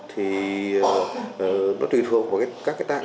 thì nó tùy thuộc vào các cái tạng